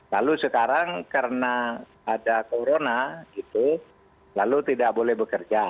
lalu sekarang karena ada corona gitu lalu tidak boleh bekerja